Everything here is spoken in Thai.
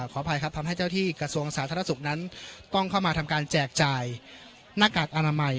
ขออภัยครับทำให้เจ้าที่กระทรวงสาธารณสุขนั้นต้องเข้ามาทำการแจกจ่ายหน้ากากอนามัย